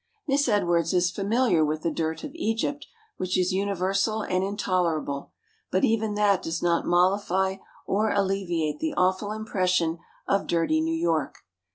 Miss Edwards is familiar with the dirt of Egypt, which is universal and intolerable, but even that does not mollify or alleviate the awful impression of dirty New York.